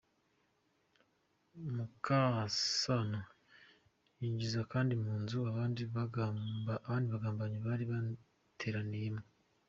Mukasano yinjiza Kindi mu nzu abandi bagambanyi bari bateraniyemo.